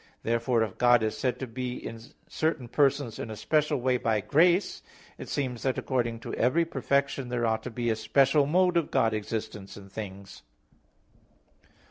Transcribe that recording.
Therefore if God is said to be in certain persons in a special way by grace, it seems that according to every perfection there ought to be a special mode of God's existence in things.